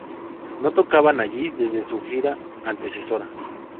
No tocaban allí desde su gira antecesora.